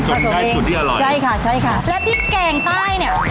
ใกล้สุดที่อร่อยใช่ค่ะใช่ค่ะแล้วพริกแกงใต้เนี่ย